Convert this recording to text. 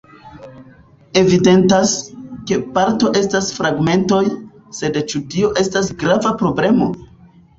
Evidentas, ke parto estas fragmentoj, sed ĉu tio estas grava problemo?